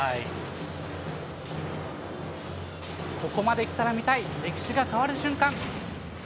ここまで来たら見たい、歴史が変わる瞬間。